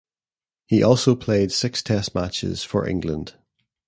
He also played six Test matches for England.